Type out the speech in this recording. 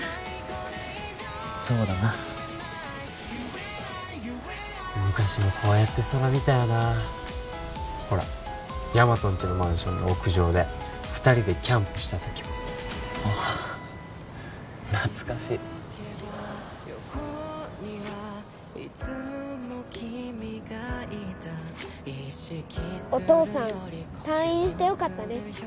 そうだな昔もこうやって空見たよなほらヤマトんちのマンションの屋上で二人でキャンプしたときもああ懐かしいお父さん退院してよかったね